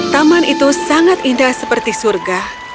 taman itu sangat indah seperti surga